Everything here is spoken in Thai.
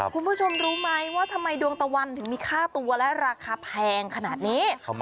คุณผู้ชมรู้ไหมว่าทำไมดวงตะวันถึงมีค่าตัวและราคาแพงขนาดนี้